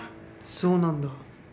そうなんだ。